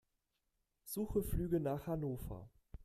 Suche Flüge nach Hannover.